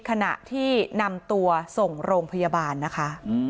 ขณะที่นำตัวส่งโรงพยาบาลนะคะ